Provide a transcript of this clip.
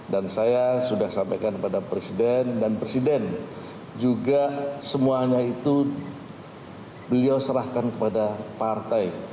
dan saya sudah sampaikan kepada presiden dan presiden juga semuanya itu beliau serahkan kepada partai